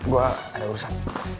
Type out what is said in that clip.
gue ada urusan